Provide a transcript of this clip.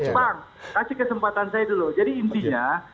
bang kasih kesempatan saya dulu jadi intinya